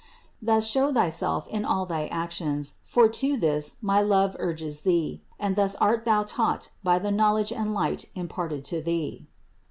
Thus show thyself in all thy actions, for to this my love urges thee, and thus art thou taught by the knowledge and light imparted to thee.